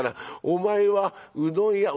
お前はうどん屋」。